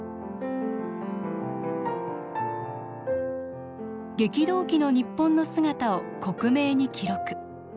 激動期の日本の姿を克明に記録。